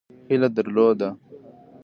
هیله درلوده.